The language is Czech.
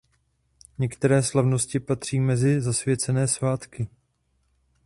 Některé slavnosti patří mezi zasvěcené svátky.